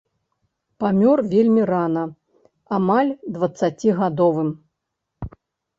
Памёр вельмі рана, амаль дваццацігадовым.